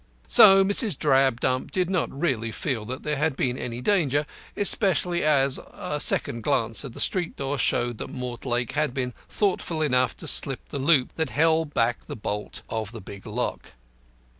So Mrs. Drabdump did not really feel that there had been any danger, especially as a second glance at the street door showed that Mortlake had been thoughtful enough to slip the loop that held back the bolt of the big lock.